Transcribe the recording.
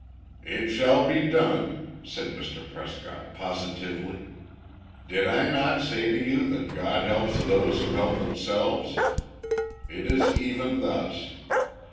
"It shall be done," said Mr. Prescott, positively. "Did I not say to you, that God helps those who help themselves? It is even thus.